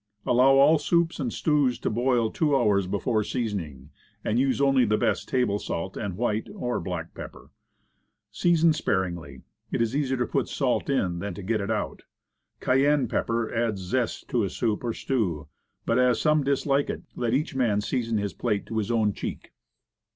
Allow all soups and stews to boil two hours before seasoning, and use only best table salt and white (or black) pepper. Season sparingly; it is easier to put salt in than to get it out. Cayenne pep per adds zest to a soup or stew, but, as some dislike it, let each man season his plate to his own cheek.